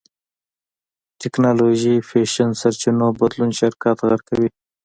ټېکنالوژي فېشن سرچينو بدلون شرکت غرق کوي.